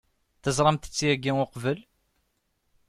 Teẓramt-t yagi uqbel?